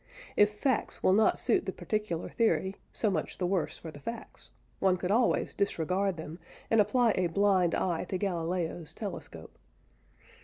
If facts will not suit the particular theory, so much the worse for the facts: one could always disregard them, and apply a blind eye to Galileo's telescope.